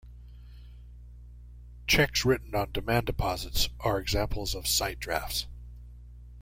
Cheques written on demand deposits are examples of sight drafts.